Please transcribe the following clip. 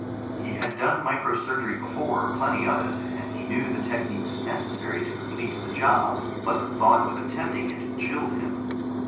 He had done micro surgery before, plenty of it, and he knew the techniques necessary to complete the job, but the thought of attempting it chilled him.